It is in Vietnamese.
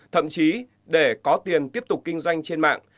thậm chí để có tiền tiếp tục kinh doanh trên mạng